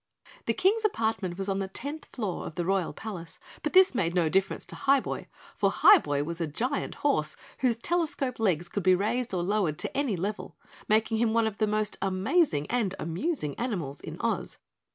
The King's apartment was on the tenth floor of the royal palace, but this made no difference to Highboy, for Highboy was a giant horse whose telescope legs could be raised or lowered to any level, making him one of the most amazing and amusing animals in Oz.